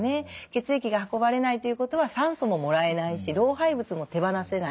血液が運ばれないということは酸素ももらえないし老廃物も手放せない。